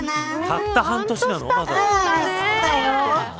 たった半年なの。